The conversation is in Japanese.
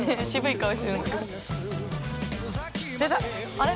あれ？